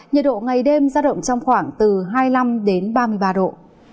nhiệt độ ngày đêm giao động trong khoảng từ hai mươi năm ba mươi ba độ